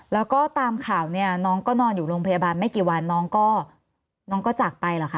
แล้วก็ตามข่าวเนี่ยน้องก็นอนอยู่โรงพยาบาลไม่กี่วันน้องก็น้องก็จากไปเหรอคะ